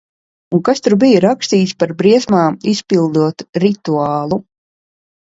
Un kas tur bija rakstīts par briesmām, izpildot rituālu?